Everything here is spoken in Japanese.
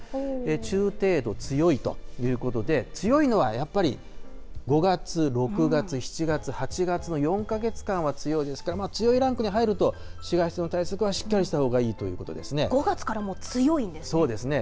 中程度、強いということで、強いのはやっぱり、５月、６月、７月、８月の４か月間は強いですから、まあ強いランクに入ると、紫外線の対策はしっかりしたほうがいい５月からもう強いんですね。